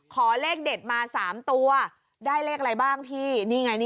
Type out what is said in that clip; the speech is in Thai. ขอเลขเด็ดมา๓ตัวได้เลขอะไรบ้างพี่นี่ไงนี่